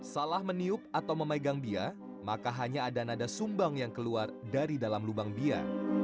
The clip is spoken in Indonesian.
salah meniup atau memegang bia maka hanya ada nada sumbang yang keluar dari dalam lubang bia